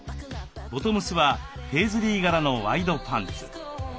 ボトムスはペーズリー柄のワイドパンツ。